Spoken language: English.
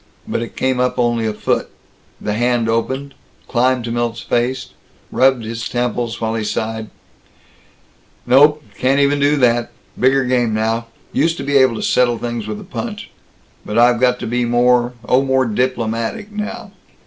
But it came up only a foot. The hand opened, climbed to Milt's face, rubbed his temples, while he sighed: "Nope. Can't even do that. Bigger game now. Used to could used to be able to settle things with a punch. But I've got to be more oh, more diplomatic now.